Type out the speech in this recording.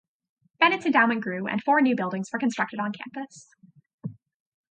Bennett's endowment grew and four new buildings were constructed on campus.